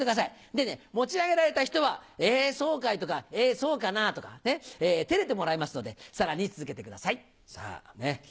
でね持ち上げられた人は「えそうかい」とか「えそうかな」とか照れてもらいますのでさらに続けてください。